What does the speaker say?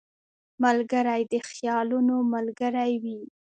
ملګری د خیالونو ملګری وي